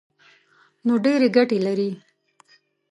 نو ډېرې ګټې لري.